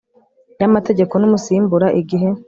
y amategeko n umusimbura igihe